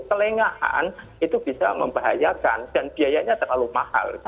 kelengahan itu bisa membahayakan dan biayanya terlalu mahal